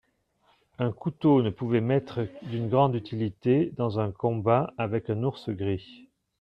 Un couteau ne pouvait m'être d'une grande utilité dans un combat avec un ours gris.